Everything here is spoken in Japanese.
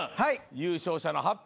優勝者の発表